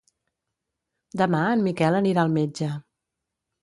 Demà en Miquel anirà al metge.